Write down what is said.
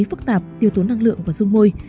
phức tạp tiêu tốn năng lượng và dung môi